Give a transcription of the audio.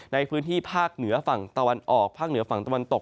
ในพื้นที่ภาคเหนือฝั่งตะวันออกภาคเหนือฝั่งตะวันตก